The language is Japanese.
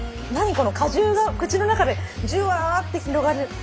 この果汁が口の中でじゅわって広がる。